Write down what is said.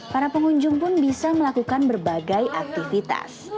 para pengunjung pun bisa melakukan berbagai aktivitas